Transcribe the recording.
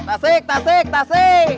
tasik tasik tasik